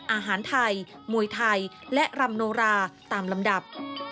อาหารไทยมวยไทยและรำโนราตามลำดับ